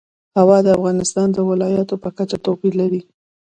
هوا د افغانستان د ولایاتو په کچه توپیر لري.